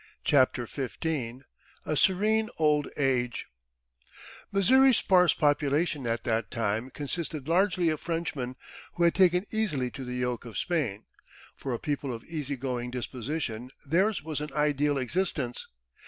CHAPTER XV A SERENE OLD AGE Missouri's sparse population at that time consisted largely of Frenchmen, who had taken easily to the yoke of Spain. For a people of easy going disposition, theirs was an ideal existence.